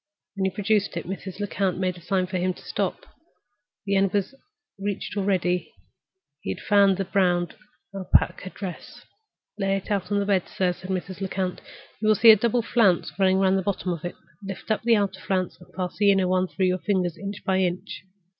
When he produced it, Mrs. Lecount made a sign to him to stop. The end was reached already; he had found the brown Alpaca dress. "Lay it out on the bed, sir," said Mrs. Lecount. "You will see a double flounce running round the bottom of it. Lift up the outer flounce, and pass the inner one through your fingers, inch by inch.